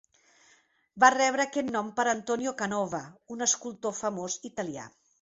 Va rebre aquest nom per Antonio Canova, un escultor famós italià.